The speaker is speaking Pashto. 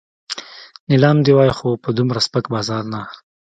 نیلام دې وای خو په دومره سپک بازار نه.